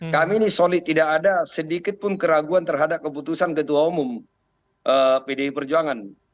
kami ini solid tidak ada sedikit pun keraguan terhadap keputusan ketua umum pdi perjuangan